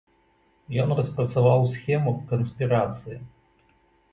Ён распрацаваў схему канспірацыі.